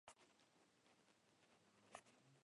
عبدالله څنگه.